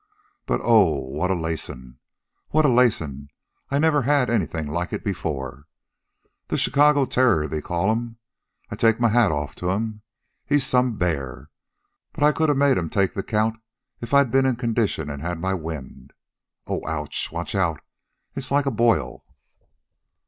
But, oh, what a lacin'! What a lacin'! I never had anything like it before. The Chicago Terror, they call 'm. I take my hat off to 'm. He's some bear. But I could a made 'm take the count if I'd ben in condition an' had my wind. Oh! Ouch! Watch out! It's like a boil!"